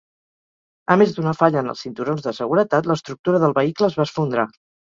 A més d'una falla en els cinturons de seguretat, l'estructura del vehicle es va esfondrar.